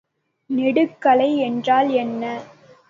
நெடுக்கலை என்றால் என்ன?